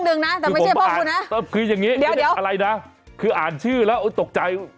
พฤติกรรมอีกเรื่องหนึ่งนะแต่ไม่ใช่พ่อคุณนะคือยังงี้อะไรนะคืออ่านชื่อแล้วตกใจ